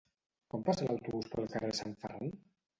Quan passa l'autobús pel carrer Sant Ferran?